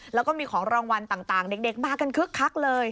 แล้วก็มีของรางวัลต่างเด็กมากันคึกคักเลย